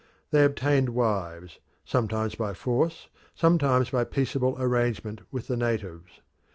They obtained wives, sometimes by force, sometimes by peaceable arrangement with the natives.